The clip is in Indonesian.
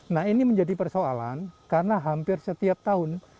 nah ini menjadi persoalan karena hampir setiap tahun